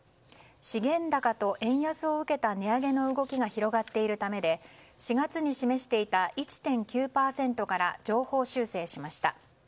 資源高と円安を受けた値上げの動きが広がっているためで４月に示していた１．９％から上方修正しました。